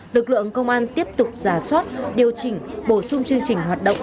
lực lượng công an tiếp tục giả soát điều chỉnh bổ sung chương trình hoạt động